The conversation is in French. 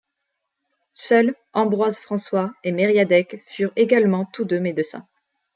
Seuls, Ambroise-François et Mériadec furent également tous deux médecins.